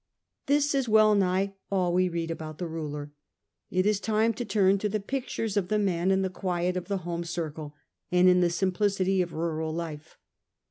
This is well nigh all we read about the ruler. It is time to turn to the pictures of the man, in the quiet of the home circle and in the simplicity of rural life.